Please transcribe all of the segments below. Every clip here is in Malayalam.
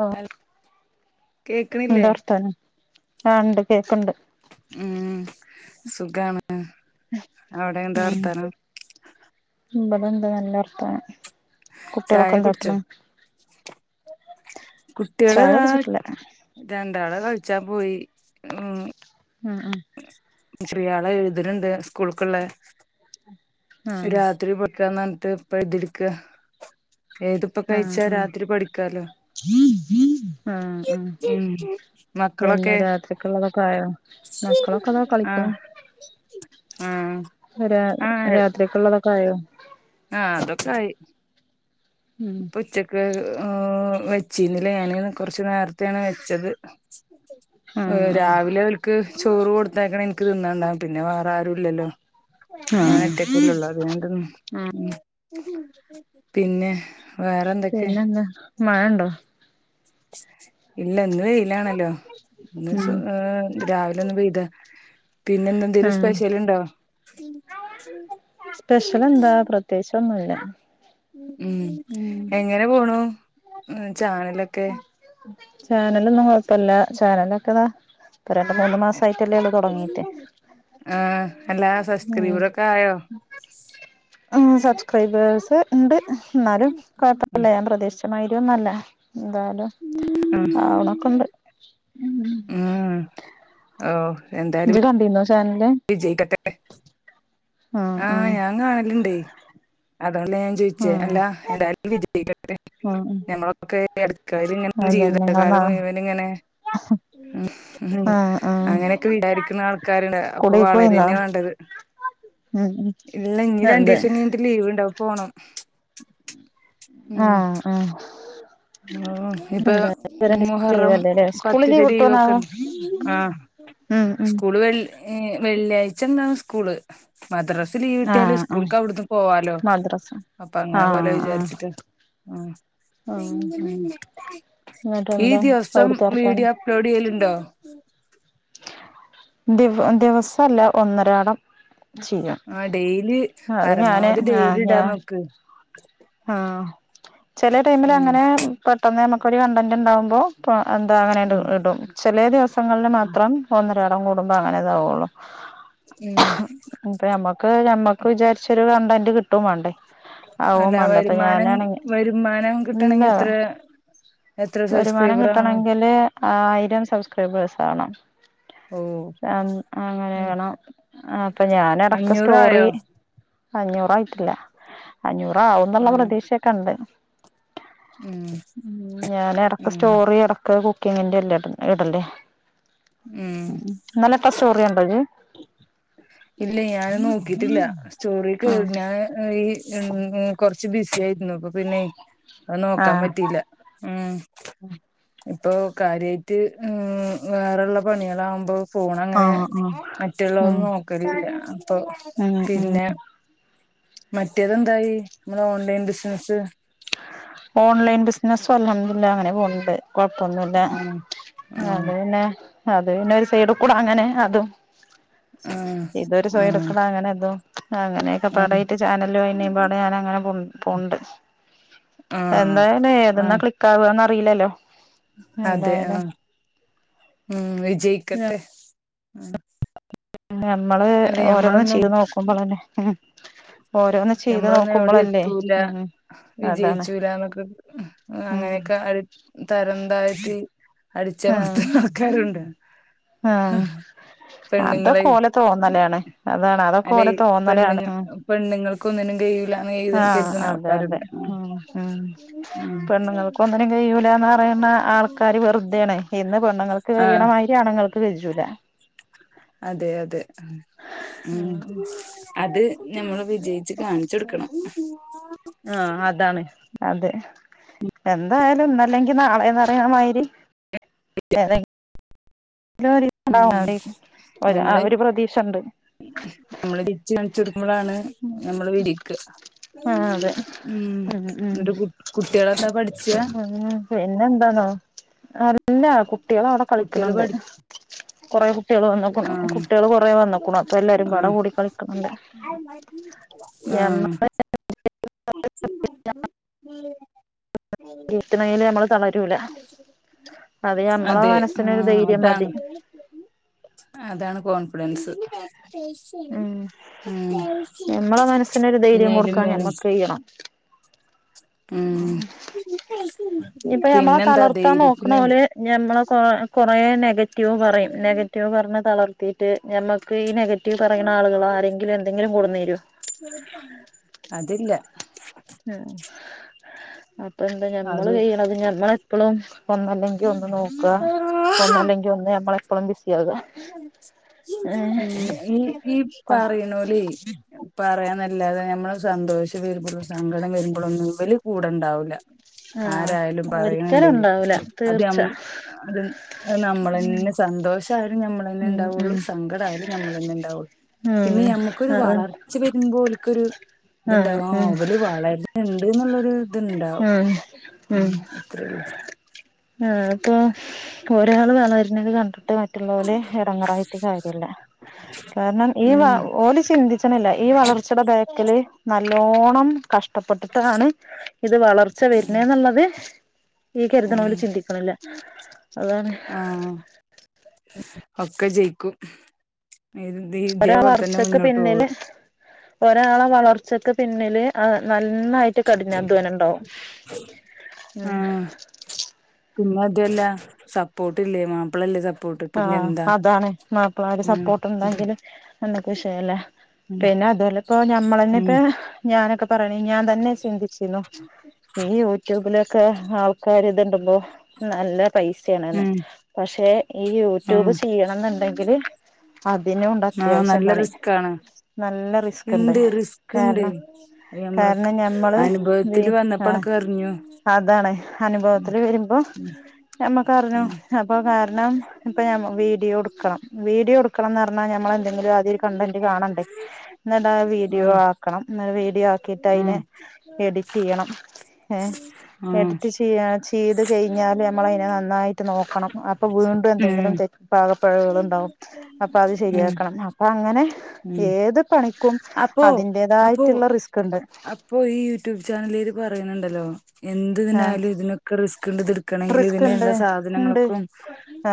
ഓ ഹൽ കേക്ക്ണില്ലേ എന്താ വർത്താനം ആ ഉണ്ട് കേക്കണ്ട് ഉം സുഖാണ് ആ അവിടെ എന്താ വർത്താനം എന്ത് നല്ല വർത്താനം ചായ കുട്ടികളൊക്കെ എന്താ കുടിച്ചോ കാട്ടണ് കുട്ടികള് താ രണ്ടാള് കളിച്ചാൻ പോയി ഉം ഉം ഉം ചെറിയാള് എഴുതുന്നുണ്ട് സ്കൂൾക്കുള്ള ആഹ് രാത്രി പഠിക്കാന്ന് പറഞ്ഞിട്ട് ഇപ്പ എത്ട്ക്കാ ആ അ ആ അ ഉം പിന്നെ മക്കളൊക്കെ രാത്രിക്കുള്ളതൊക്കെ ആയോ? മക്കളൊക്കെ ദാ ആഹ് കളിക്കുണു. ആഹ് രാ ആഹ് രാത് ത്രിക്ക് ഉള്ളതൊക്കെ ആയോ ആഹ് അതൊക്കായി ഉം ഉച്ചക്ക് ഈഹ് വെ ച്ചീന്നില്ലേ ഞാന് കൊറച്ച് നേരത് ത്തണ് വെച്ചത് ഏ ആഹ് ആഹ് രാവിലെ ഓൽക്ക് ചോറ് കൊടുത്തേക്കണ എനിക്ക് തിന്നാണ്ടാവും. പിന്നെ വേറെ ആരും ഇല്ലല്ലോ ഞാൻ ആഹ് ഒറ്റക്കല്ലുള്ളൂ. അത് ഞാൻ തിന്നും. ഉം പിന്നെ വേറെ പിന്നെന്താ മഴണ്ടോ ഇല്ലന്ന് വെയിലാണല്ലോ? ഇന്ന് ഉം ഈഹ് രാവിലെ ഒന്ന് പെയ്താ പിന്നെ ഇന്ന് എന്തെങ്കിലും ആഹ് സ്പെഷ്യല്ണ്ടോ? ഉം സ്പെഷ്യൽ എന്താ പ്രത്യേകിച്ച് ഒന്നുല്ല ഉം എങ്ങനെ പോണു ചാനലൊക്കെ ചാനലൊന്നും കുഴപ്പല്ല ചാനലൊക്കെതാ ഇപ്പൊ രണ്ട് മൂന്ന് മാസയിട്ടല്ലേ ഉള്ളു തുടങ്ങീട്ട് ആഹ് എല്ലാ സബ്സ്ക്രൈബറൊക്കെ ആയോ ഉം സബ്സ്ക്രൈബേഴ്സ് ഉണ്ട്. എന്നാലും കൊഴപ്പില്ല ഞാൻ പ്രതീക്ഷിച്ച മരുന്നല്ലേ എന്തായാലും ആഹ് ആണൊക്കെണ്ട് ഉം ഓ എന്തായാലും ജ്ജ് [unintelligible] [unintelligible] ആഹ് ഞാൻ കാണല്ണ്ട് ല്ല ഞാൻ ചോയിച്ചേ ആഹ് അല്ല എന്തായാലും വിജയിക്കട്ടെ ഉം ഉം ഞങ്ങളൊക്കെ അടുക്കളേല് ഇങ്ങനെ അതന്നെ ഇങ്ങളെ നാ ജീവിതകാലം മുയ്വൻ ഇങ്ങനെ ഉം ആഹ് ആഹ് അങ്ങനൊക്കെ വിചാരിക്കുന്ന ആൾക്കാര്ണ്ട് അപ്പൊ കുടീക്കോയീന്നോ വളരെന്നെ വാണ്ടത് ഉം ഉം ഇല്ല ഇനി അതെ രണ്ടീസം കയ്ഞ്ട്ട് ലീവ് ണ്ടാവും പോണം ആഹ ഹ ആ ഇപ്പൊ മുഹറം ലീവല്ലേലേ സ്കൂള് പത്തിന്റെ ലീവ് ലീവൊക്കെ കിട്ടോന്നാവോ ഉണ്ട് ആ ഉം ഉം സ്കൂള് വെ വെള്ളിയാഴ്ച ഉണ്ടാവും സ്കൂള് മദ്രസ ലീവ് കിട്ടിയാല് ആഹ് ആഹ് സ്കൂൾക്ക് അവിടുന്ന് പോവാലോ മദ്രസ അപ്പ അങ്ങനെ പോലെ ആഹ് ആഹ് വിചാരിച്ചിട്ട് ഉം ആഹ് ഉം ഈ എന്നിട്ടെന്താ ദിവസം അവിടുത്തെ വർത്താനം മീഡിയ അപ്‌ലോഡ് ചെയ്യലുണ്ടോ ദിവ ദിവസവല്ല ഒന്നരാടം ചെയ്യും ആഹ് ഡെയിലി അത് ഞാന് പരമാവധി ആഹ് ഡെയിലി ഇടാൻ ഞാൻ നോക്ക് ആഹ് ചെല ടൈമിൽ ഉം അങ്ങനെ പെട്ടെന്ന് നമ്മ ക്കൊരു കണ്ടന്റ് ഉണ്ടാകുമ്പോൾ എന്താ അങ്ങനെ ഇടും ഉം ഇടും ചില ദിവസങ്ങളിൽ മാത്രം ഒ ന്നരാടം കൂടുമ്പോ അങ്ങനെയേ ഇതാവുള്ളൂ ഉം അപ്പോ ഞമ്മക്ക് ഞമ്മക്ക് വിചാരിച്ചൊരു ക വണ്ടി കിട്ടുവേം വേണ്ടേ ആഹ് ഓ അല്ല മ വരുമാനം ഞാനാണെ വരുമാനം ഇല്ല കിട്ടണെങ്കി എത്ര എത്ര വരുമാനം സബ്സ്ക്രൈബർ ആവണം കിട്ടണങ്കില് ആയിരം സംസ് ബേസാവണം ഓ [unintelligible] അങ്ങനെ ഉം വേണം അപ്പൊ ഞാനെടക്ക് സ്റ്റോറി അഞ്ഞൂറായോ അഞ്ഞൂറായിട്ടല്ല അഞ്ഞൂറ ന്ന്ള്ള ആഹ് പ്രതീക്ഷയൊക്കെണ്ട് ഉം ഞാൻ എടക്ക് ഉം സ്റ്റോറി എടക്ക് കു [unintelligible] എട്ടൻ്റെയാ ഉം കണ്ടോ ഇജ്ജ് ഇല്ല ഞാൻ നോക്കീട്ടില്ല സ്റ്റോറി കേർ ആഹ് ഞാൻ ഈ ഉം ഉം കൊറച്ച് ബിസി ആയി ഇന്നപ്പ പിന്നെ അത് നോക്കാൻ ആഹ് പറ്റിയില്ല ഉം ഇപ്പൊ കാര്യായിട്ട് ഉം വേറെ ഇള്ള പണികളാവുമ്പോ ഫോൺ അങ്ങനെ ആഹ് ആഹ് ഉം മറ്റുള്ളതൊന്നും നോക്കലില്ല അപ്പൊ ഉം ഉം പിന്നെ മറ്റേതെന്തായി ങ്ങളെ ഓൺലൈൻ ബിസ്നസ്സ് ഓൺലൈൻ ബിസിനസ് ഇപ്പം ഒന്നൊന്നുല്ല അങ്ങനെ പോണ് ണ്ട് കൊഴപ്പൊന്നുല്ല ഉം ഉം അത് പിന്നെ അത് പിന്നൊരു സൈഡ് കൂടെ അങ്ങനെ അതും ആഹ് ഇതൊരു ആഹ് സ്വയെട്ക്ക്ണങ്ങനെതും അങ്ങനെ ആഹ് യൊക്കെപാടായ്ട്ട് ചാനലു അയ്നിപാടെ ഞാനങ്ങനെ പുൺ പോണ്ട് ആഹ് എന്തായാനെ ഏതെന്നാ ആഹ് ക്ലിക്കാവ ന്നറീലല്ലോ അതെ ആ ഉം വിജയ് [unintelligible] ആ നമ്മള് ഓരോന്ന് ചെയ്ത് നോക്കുമ്പളല്ലേ ഹ് ഞമ്മളൊന്നും എവിടെ എത്തൂല ഉം അതാണ് വിജയിച്ചൂല ന്നൊക്ക് ഉം അങ്ങനെക്കെ അൾ തരംതാഴ്ത്തി അടിച്ചമർത്തുന്ന ആൾക്കാരുണ്ട് ആ പെണ്ണുങ്ങളെ അതൊക്കെ ഓലെ തോന്നലാണ് അതാണ് അതൊക്കെ അല്ലെ ഓലെ തോന്നലാണ് പെണ്ണുങ്ങ പെണ്ണുങ്ങൾക്ക് ഒന്നിനും കഴിയൂലാന്ന് എഴുത ഹാ കരുതുന്ന അതെ അതെ ആൾക്കാരുണ്ട് ഉം ഉം പെണ്ണുങ്ങൾക്ക് ഒന്നിനും കയ്യൂലാന്ന് അറിണെ ആൾക്കാര് വെറുതെണ് ഇന്ന് പെണ്ണുങ്ങൾക്ക് ആഹ് കയ്യ്ണമാരി ആണ്ങ്ങൾ വെജൂല അതെ അതെ ഉം അത് ഞമ്മള് വിജയിച്ച് കാണിചോട്ക്കണം ആ അതാണ് അതെ എന്തായാലും ഇന്നല്ലെങ്കി നാളെന്നറിയ്ണ മയ്രി വേറിം [unintelligible] ഉം ആ ഞമ്മള് ഒരു പ്രതീക്ഷണ്ട് നമ്മള് [unintelligible] നമ്മളാണ് നമ്മള് വിളിക്ക ആ അതെ ഉം ന്നിട്ട് കുട്ടികൾ എന്താ പഠിച്ച ഇല്ല കുട്ടികൾ അവിടെ കുട്ടികള് കളിക്കുന്നുണ്ട് പഠി കൊറേ കുട്ടികള ആഹ് കുട്ടികൾ കുറേ വന്നക്കണു അപ്പൊ എല്ലാരുമ്പാടെ ആഹ് കൂടി കളിക്കണ്‌ണ്ട് ഞമ്മ ആഹ് [unintelligible] ജയിക്കണെങ്കില് നമ്മള് തളരൂല അത് ഞമ്മളെ അതെ ഉം മനസ്സിനൊരു ധൈര്യം മതി അതാണ് അതാണ് കോൺ ഡൻസ് ഉം ഉം ഞമ്മളെ മനസ്സിനൊരു ഇനി ധൈര്യം അയിലും കൊടുക്കാൻ മേലെ ഞമ്മക്ക് കഴിയണം ഉം നമ്മളെ പിന്നെന്താ തളർത്താൻ ധൈര്യത്തിന് നോക്കുണോല് നമ്മെളെ കൊറേ നെഗറ്റ്വീവ് റ്റ്യു പറയും നെഗറ്റീവ് പറഞ്ഞ തളർത്തിയിട്ട് ഞമ്മക്ക് ക്ക് ഈ നെഗറ്റീവ് പറയിണ ആളുകളാരെങ്കിലും എന്തെങ്കിലും കൊട്ന്നരോ അതില്ല അപ്പ് ഇപ്പ എന്താ ഞമ്മള് അത് ചെഴ്യണതും ഞമ്മളെപ്പളും ഒന്നല്ലെങ്കിൽ ഒന്ന് നോക്ക. ഒന്നല്ലെങ്കിൽ നമ്മളെപ്പളും ബിസി ആക ഈ പ്പ പറിണോല് പറയാൻ നല്ലാതെ നമ്മള് സന്തോഷം വരുമ്പളും സങ്കടം വരുമ്പളും ഒന്നും ഇവല് കൂടെ ഇണ്ടാവുല ആഹ് ആരായാലും പറയണ് ഒരിക്കലും ന്ന്ണ്ടെങ്കിൽ ഉണ്ടാവൂല അത് തീർച്ച അത് [unintelligible] നമ്മളെ ന്നെ സന്തോഷം ആരു ഞമ്മളെന്നെ ഉം ഇന്താവൊള്ളു. ഉം സങ്കടായാലും നമ്മളെന്നെ ഇണ്ടാവൊള്ളു. ഉം പിന്നെ ഞമ്മക്കൊരു അത് വളർച്ച വരുമ്പോല്ക്കൊരു ഇത് ഇണ്ടാവും. ആഹ് ഇവല് വളർന്ന്ണ്ട് ഇന്നുള്ളൊരു ഇത് ഇണ്ടാവും ഉം ഉം അത്രേ ഒള്ളു ആഹ് അഹ് [unintelligible] അയാള് [unintelligible] വരുന്നത് കണ്ട് മറ്റുള്ള ഓല് ഇടങ്ങറായിട്ട് കാരില്ല കാരണം ഈ ഉം ഓല് ചിന്തിച്ചണില്ല ഈ വളർച്ചയുടെ ബാക്കില് നല്ലോ മം കഷ്ടപ്പെട്ടിട്ടാണ് ഇത് വളർച്ച വര് ഉം നെന്ന്ള്ളത് ഈ കരുതണോല് ഉം ചിന്തിക്കണില്ല അതാണ് ആഹ് ഒക്കെ ജയിക്കും ഇത് ദി ദേപോലെ തന്നെ മുന്നോട്ട് പോവ ഒരാള വളർച്ചക്ക് പിന്നില് ആഹ് നൽ നന്നായിട്ട് കടിനാധ്വാനം ഇണ്ടാവും ഉം ആഹ് പിന്നെ അതുല്ല സപ്പോർട്ട് ഇല്ലേ മാപ്പിളല്ലേ സ ആഹ് അതാണ് മാപ്പിളമാര് ഉം സപ്പോർട്ട് അത ഉണ്ടെങ്കില് എ വിഷയല്ല ഉം പിന്നെ അതോലിപ്പൊ ഞമ്മളന്നെ ഇപ്പ ഉം ഞാനൊക്കെ പറയണ ഞാൻ തന്നെ ചിന്തിച്ചിന്നു ഈ യൂട്യൂബില് ക്കെ ആൾക്കാര് ഇതിണ്ട്പോ നല്ല പൈസയാണ്ന്ന് ഉം പഷെ ഈ യൂട്യൂബ് ആഹ് ചെയ്യണന്നിണ്ടെങ്കില് അതിനൂണ്ട് ആഹ് അത്യാവശ്യം നല്ല പണി റിസ്കാണ് നല്ല റിസ്ക് ഉണ്ട് ഇണ്ട് റിസ്കിണ്ട് കാരണം ഞമ്മൾക്ക് കാരണം ഞമ്മള് വി അനുഭവത്തിൽ വന്നപ്പോണൊക്കെ അറിഞ്ഞു ഉം അനുഭവത്തിൽ വരുമ്പോ നമ്മക്കറിഞ്ഞു ഉം അപ്പൊ കാരണം ഇപ്പൊഞാ വീഡിയോടുക്കണം വീഡിയോടു ക്കണംന്നർഞ്ഞാ നമ്മളെന്തെങ്കിലും ആദ്യൊരു കണ്ടന്റ് കാണണ്ടെ എന്നിട്ടാ ഉം വീഡിയോ ആഹ് ആക്കണം എന്നട് വീഡിയൊ ആക്കിട്ട് അയ്നെ ആഹ് എഡിറ്റെയ്യണം ഏഹ് ആഹ് എഡിറ്റ് ചെയ്യ ചെയ്ത് കഴിഞ്ഞാല് നമ്മളതിനെ നന്നായിട്ട് നോക്കണം അപ്പ വീണ്ടും എ- ന്തെങ്കിലും തെ ഉം പാക പ്പെഴകളുണ്ടാവും അപ്പത് ഉം ശരിയാക്കണം അപ്പ അങ്ങനെ ഉം ഏത് പണിക്കും അപ്പോ അപ്പോ അതിന്റേതായിട്ടുള്ള റിസ്ക് ഉണ്ട് അപ്പോ ഈ യൂട്യൂബ് ചാനലാര് പറയണിണ്ടല്ലോ ആഹ് എന്തിതിനായാലും ഇതിനൊക്കെ റിസ്കിണ്ട് ഇതെടുക്കണെങ്കിൽ റിസ്ക് ഇണ്ട് ഇതിനേണ്ട ഇണ്ട് സാധനങ്ങൾക്കും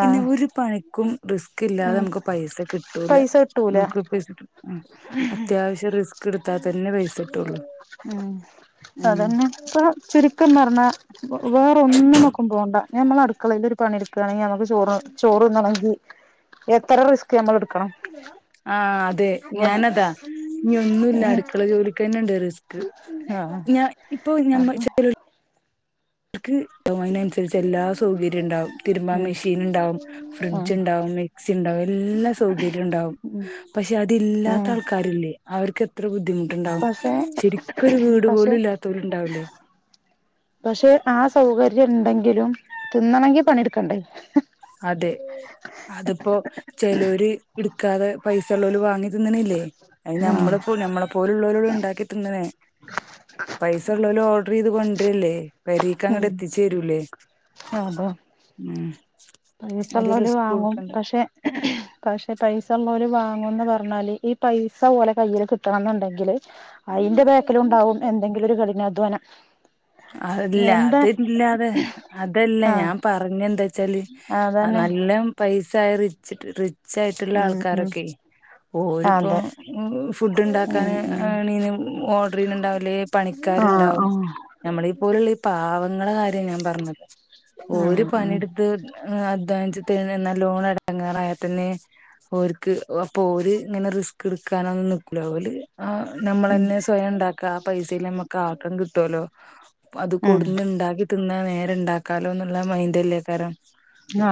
പിന്നെ ഒരു പണിക്കും റിസ്ക് ഇല്ലാതെ ഉം മ്മക്ക് പൈസ കിട്ടൂല പൈസ കിട്ടൂല നമ്മ്ക്ക് റിസ്ക് അത്യാവശ്യം റിസ്കിട് താതന്നെ പൈസ- കിട്ടുള്ളൂ ഉം ഉം അതന്നെ ഇപ്പ ചുരുക്കം പറഞ്ഞാ വേറൊന്നുനോക്കും പോണ്ട ഞമ്മളടുക്കളേലൊരു പണിടുക്കാണെങ്കി മ്മക്ക് ചോറ് ചോറുണ്ണണെങ്കി എത്ര റിസ്ക് ഞമ്മളെട് ആഹ് അതെ ഞാനതാ ഇനി ഒന്നൂല്ല ഏഹ് അടുക്കളജോലിക്കന്നെണ്ട്റിസ് ക്ക് ആഹ് ഞ ഇപ്പൊ ഞമ്മ അപ്പൊ ചെ അവർക്ക് അയ്നനുസരിച്ച് എല്ലാ സൗകര്യിണ്ടാവും തിരുമ്പ ഉം മെഷീൻ ണ്ടാവും ഉം ഫ്രിഡ്ജ് ണ്ടാവും മിക്സി ണ്ടാവും എല്ലാ സൗകര്യവും ണ്ടാവും ഉം പക്ഷെ അതില്ലാത്ത ഉം ആൾക്കാരില്ലേ അവർക്ക് എത്ര ബുദ്ധി ട്ട് ണ്ടാവും പക്ഷെ ശരിക്കൊരു വീട് പക്ഷെ പോലും ഇല്ലാത്തവലും ഉണ്ടാവൂലേ പക്ഷെ ആ സൗകര്യം ണ്ടെങ്കിലും തിന്നണെങ്കി പണിയെടുക്കണ്ടേ അതെ അതിപ്പോചിലൂര് ഇടു ക്കാതെ പൈസ ഉള്ളോല് വാ ണ്ണി തിന്നണില്ലേ അ ആഹ് നമ്മള നമ്മളെ പോലുള്ളവരോ ഉണ്ടാക്കി തിന്നണെ പൈസ ഉള്ളോല് ഓർഡർ ചെയ്ത് കൊണ്ടരല്ലേ ഉം പെരേക്കങ്ങ്ട് എത്തിച്ചരൂലേ ഉം ഒരു പൈസള്ളോല് റിസ്ക് വാങ്ങും കൊടുക്കണ്ട പക്ഷെ പക്ഷെ പൈസ ഉള്ളവര് വ ങ്ങന്ന് പറഞ്ഞാല് ഈ പൈസ പോലെ കയ്യില്കിട്ടണം എന്നുണ്ടെങ്കില് അയിന്റെ ബേക്കിലുണ്ടാവും എന്തെങ്കിലും ഒരു കഠിനാധ്വാനം അല്ല എന്താ അതില്ലാതെ അതല്ല ആഹ് ഞാൻ പറഞ്ഞെന്താ ച്ചല് അതന്നെ നല്ലം പൈസയറി ച്ച്ട്ട് ട്ട് ച്ചായിട്ടുള്ള ഉം ഉം ആൾക്കാരൊക്കെ ഓരിപ്പോം അതെ ഫുഡ് ഉം ഉണ്ടാക്കാന് ഉം ആണീന് ഓർഡർ ചെയ്യ്ണ്ടാവും ല്ലെ ആഹ് പണിക്കാര്ണ്ടാവും ആഹ് നമ്മളീ പോലുള്ള ഈ പാവങ്ങള കാര്യം ഞാൻ പറഞ്ഞത് ഉം ഓര് ഉം പണിട്ത്ത് [unintelligible] [unintelligible] നല്ലോണം എടങ്ങേറായാ തന്നെ ഓര്ക്ക് അപ്പൊര് ങ്ങനെ റിസ്ക് ട്ക്കാനൊന്നും നിക്കൂല ഓല് ആ ഉം നമ്മളെന്നെ സ്വയം ണ്ടാ ക്കാപൈസേല് ഞമ്മക്കാക്കം കിട്ടോലോ അത് ഉം കൊട്ന്ന്ണ്ടാക്കി തി ന്ന നേരെണ്ടാക്കാലോ ന്ന്ള്ള മൈൻഡല്ലേക്കാരം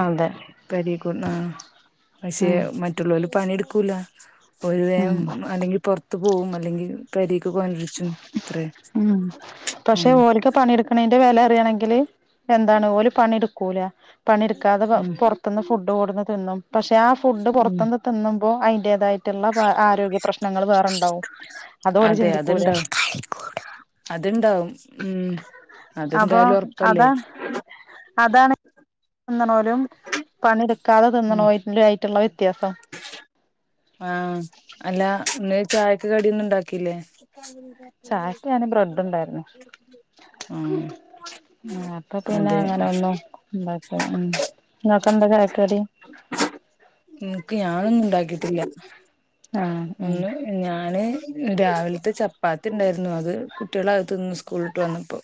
അതെ പെരേക്ക് ആ പക്ഷെ ഉം മറ്റ്ള്ളോല് പണിട് കുല ഓല് വേം ഉം അല്ലെങ്കി പൊർ ബൂം അല്ലെങ്കി പെരേക്ക് ഉം പക്ഷെ ഉം ഓലോക്കെ പണിയെട്ക്ക്ണ വെല അറിയണെങ്കില് എന്താണ് ഓല് പണി കൂല പണി ഇട്ക്കാതെ പൊ ഉം പൊർത്ത്ന്ന് ഫുഡ് കോട്ന്ന് തിന്നും. പക്ഷെ ആ ഫുഡ് ഉം പോർത്ത്ന്ന് തിന്നും. പ്പോ അയ്ന്റേതായിട്ട്ള്ള ആരോഗ്യ പ്രശ്നങ്ങള് വേറെണ്ടാവും. അതോ ഓല് അതെ ചിന്തി അത്ണ്ടാവും ഉം അപ്പൊ അതെന്തായാലും ഒർപ്പല്ലേ അതാണ് അതാണ് ന്ന്ണോലും പണിട് ക്കാതെ ഉം തിന്ന്ണോലും ആയിട്ട്ള്ള വ്യത്യാസം. ആഹ് അല ഇന്ന്‌ ചായക്ക്‌ കടിയൊന്നും ഇണ്ടാക്കില്ലേ ചായക്ക് ആനെ ബ്രെഡ് ഉണ്ടായിരുന്നു ആഹ് അപ്പൊ പിന്നെ അതെ അങ്ങനെ ഒന്നും ഉം നിങ്ങക്ക് എന്താ ചായക്ക് കടി ഇന്നക്ക് ഞാനൊന്നും ഇണ്ടാക്കിട്ടില്ല ആഹ് ആഹ് ഇന്ന് ഞാന് രാവിലത്തെ ചപ്പാത്തി ത്തുണ്ടായിരുന്നു അത് കുട്ടികള് അത് തിന്ന് സ്കൂൾ വിട്ട് വന്നപ്പോ